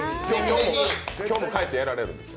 今日も帰ってやられるんですか？